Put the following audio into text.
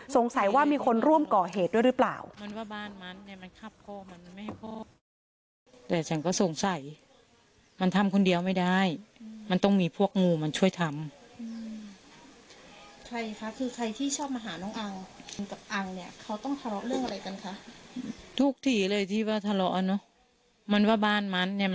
สงสัยว่ามีคนร่วมก่อเหตุด้วยหรือเปล่า